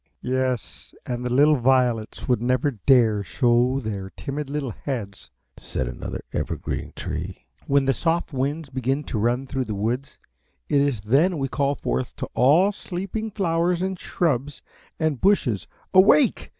"Yes, and the little violets never would dare show their timid little heads," said another Evergreen Tree, "when the soft winds begin to run through the woods. It is then we call forth to all sleeping flowers and shrubs and bushes: 'Awake!